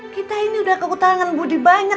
kita ini udah kekutangan budi banyak